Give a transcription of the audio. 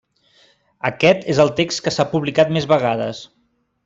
Aquest és el text que s'ha publicat més vegades.